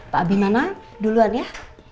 pak abimana duluan ya